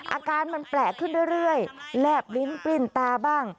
อาการมันแปลกขึ้นเรื่อยแลบลิ้นปลิ้นตาบ้าง